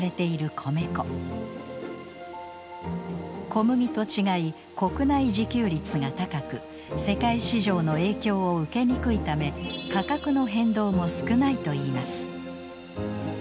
小麦と違い国内自給率が高く世界市場の影響を受けにくいため価格の変動も少ないといいます。